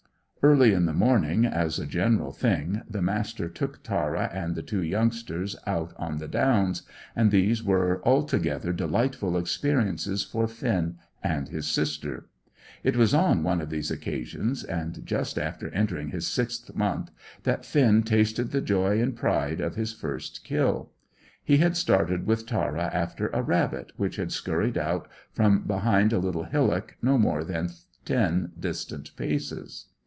Early in the morning, as a general thing, the Master took Tara and the two youngsters out on the Downs, and these were altogether delightful experiences for Finn and his sister. It was on one of these occasions, and just after entering his sixth month, that Finn tasted the joy and pride of his first kill. He had started with Tara after a rabbit which had scurried out from behind a little hillock no more than ten distant paces.